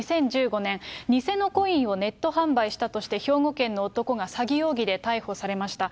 ２０１５年、偽のコインをネット販売したとして、兵庫県の男が詐欺容疑で逮捕されました。